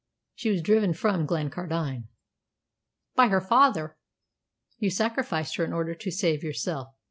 "She was driven from Glencardine!" "By her father." "You sacrificed her in order to save yourself.